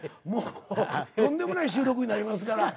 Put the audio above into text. とんでもない収録になりますから。